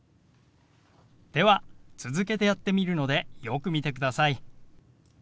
では続けてやってみるのでよく見てください。